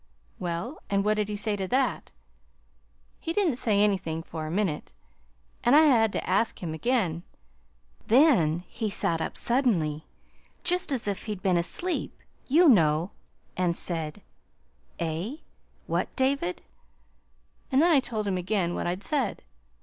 "Well, and what did he say to that?" "He didn't say anything for a minute, and I had to ask him again. Then he sat up suddenly, just as if he'd been asleep, you know, and said, 'Eh, what, David?' And then I told him again what I'd said.